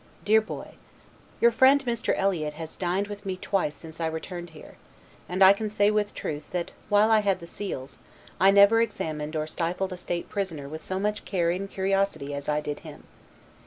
DEAR BOY: Your friend, Mr. Eliot, has dined with me twice since I returned here, and I can say with truth that while I had the seals, I never examined or sifted a state prisoner with so much care and curiosity as I did him.